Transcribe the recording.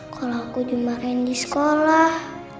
kalau aku dimakan di sekolah